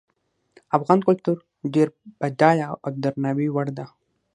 افغان کلتور ډیر بډایه او د درناوي وړ ده